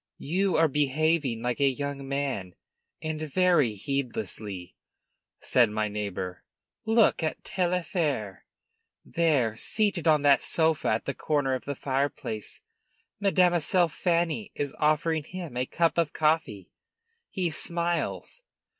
"You are behaving like a young man, and very heedlessly," said my neighbor. "Look at Taillefer! there, seated on that sofa at the corner of the fireplace. Mademoiselle Fanny is offering him a cup of coffee. He smiles.